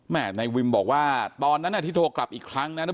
แม่นายวิมบอกว่าตอนนั้นที่โทรกลับอีกครั้งนะ